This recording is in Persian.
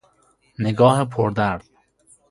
نگاه پردرد